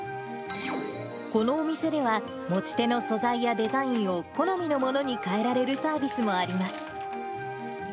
このお店では、持ち手の素材やデザインを好みのものに変えられるサービスもあります。